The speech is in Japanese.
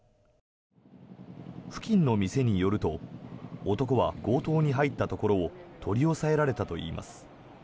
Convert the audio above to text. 付近の店によると男は強盗に入ったところを取り押さえられたといいます。